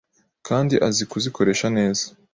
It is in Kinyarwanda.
kandi azi kuzikoresha neza,